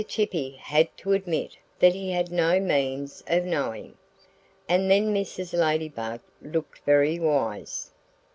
Chippy had to admit that he had no means of knowing. And then Mrs. Ladybug looked very wise.